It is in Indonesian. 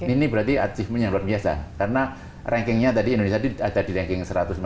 ini berarti achievement yang luar biasa karena rankingnya tadi indonesia ada di ranking satu ratus enam puluh